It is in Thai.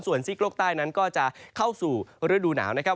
ส่วนซีกโลกใต้นั้นก็จะเข้าสู่ฤดูหนาวนะครับ